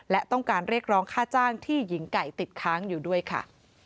และต้องการเรียกร้องค่าจ้างที่หญิงไก่ติดค้างอยู่ด้วยค่ะ